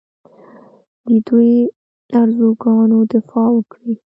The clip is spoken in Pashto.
د دوی ارزوګانو دفاع وکړي